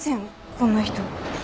こんな人。